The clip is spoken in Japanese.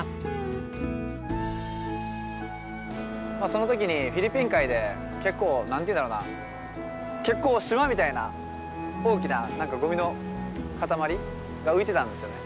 そのときにフィリピン海で結構なんていうんだろうな結構島みたいな大きなごみの塊が浮いていたんですよね。